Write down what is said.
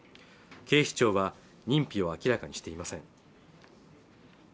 警視庁は認否を明らかにしていません